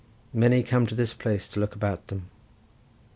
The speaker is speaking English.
Many come to this place to look about them."